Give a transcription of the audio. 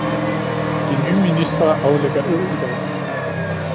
De nye ministre aflægger ed i dag.